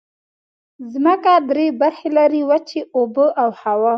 ځمکه درې برخې لري: وچې، اوبه او هوا.